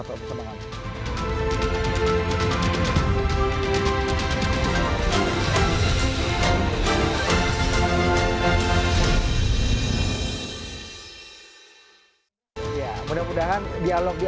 mudah mudahan dialog di